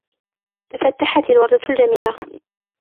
تَفَتَِّحَتْ الْوَرْدَةُ الْجَمِيلَةُ.